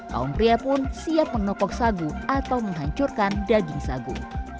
kaum pria pun siap menopak sagu atau menghancurkan daging sagu